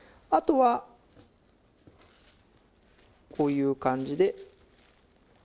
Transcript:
あとはこういう感じで。